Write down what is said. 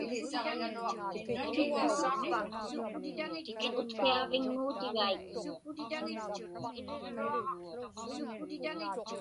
Utqiaġviŋmuutigaik.